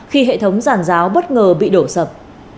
khi hệ thống giàn giáo bất ngờ bị đổ sập